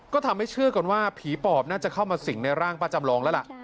ก็ทำให้เชื่อกันว่าผีปอบน่าจะเข้ามาสิ่งในร่างป้าจำลองแล้วล่ะ